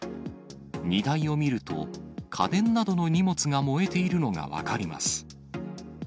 荷台を見ると、家電などの荷物が燃えているのが分かります。